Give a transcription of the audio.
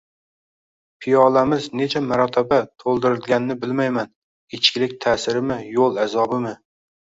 Piyolamiz necha marotoba to’ldirilganini bilmayman, ichkilik ta’sirimi, yo’l azobimi